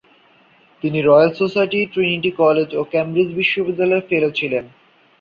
তিনি Royal Society, Trinity College ও Cambridge বিশ্ববিদ্যালয়ের ফেলো ছিলেন।